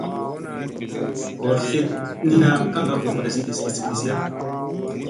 Goor tleknina kaŋga voo vadasi kis kis kidisiya.